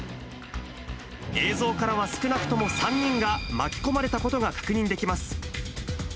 映像からは少なくとも３人が巻き込まれたことが確認できます。